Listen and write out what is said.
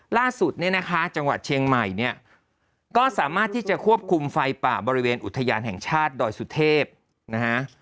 ล่าสุดเนี่ยนะคะจังหวัดเชียงใหม่เนี่ยก็สามารถที่จะควบคุมไฟป่าบริเวณอุทยานแห่งชาติดอยสุเทพนะฮะ